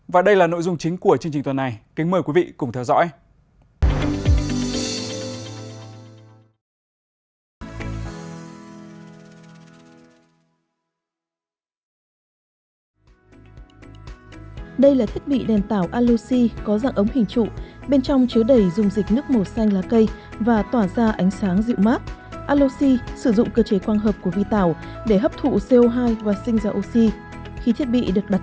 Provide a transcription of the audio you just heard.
và đây là nội dung chính của chương trình tuần này kính mời quý vị cùng theo dõi